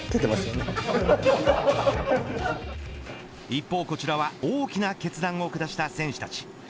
一方こちらは大きな決断を下した選手たち。